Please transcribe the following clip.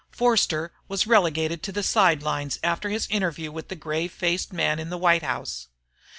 Forster was relegated to the sidelines after his interview with the grave faced man in the White House.